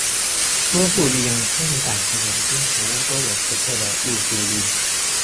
多数利用纤泥板制作的蝙蝠屋都有不错的入住率。